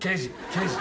刑事。